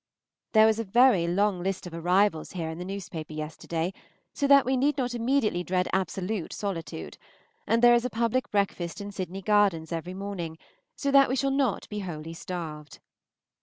There was a very long list of arrivals here in the newspaper yesterday, so that we need not immediately dread absolute solitude; and there is a public breakfast in Sydney Gardens every morning, so that we shall not be wholly starved.